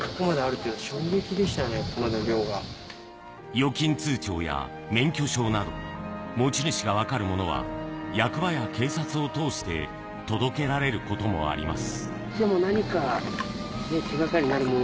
預金通帳や免許証など、持ち主が分かるものは役場や警察を通して届けられることもあります。